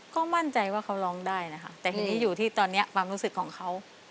ก็มั่นใจว่าเขาร้องได้นะคะแต่ทีนี้อยู่ที่ตอนนี้ความรู้สึกของเขา